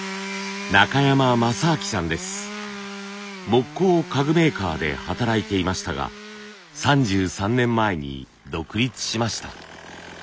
木工家具メーカーで働いていましたが３３年前に独立しました。